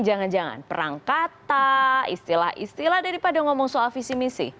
jangan jangan perang kata istilah istilah daripada ngomong soal visi misi